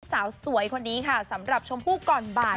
สาวสวยคนนี้ค่ะสำหรับชมพู่ก่อนบ่าย